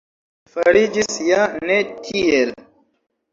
Fariĝis ja ne tiel.